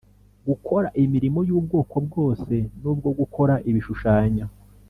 Gukora imirimo y ubwoko bwose n ubwo gukora ibishushanyo